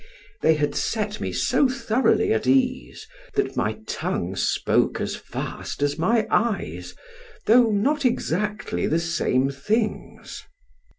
They had set me so thoroughly at ease, that my tongue spoke as fast as my eyes, though not exactly the same things.